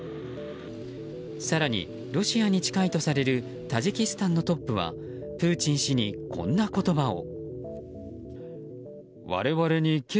更に、ロシアに近いとされるタジキスタンのトップはプーチン氏にこんな言葉を。